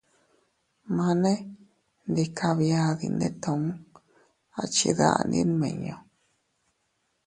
Mane ndi kabia dindetuu, a chidandi nmiñu.